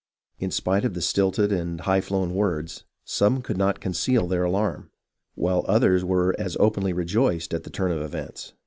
In spite of the stilted and high flown words, some could not conceal their alarm, while others were as openly rejoiced at the turn of events.